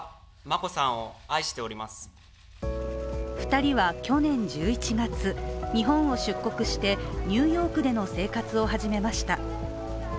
２人は去年１１月、日本を出国してニューヨークでの生活を始めました。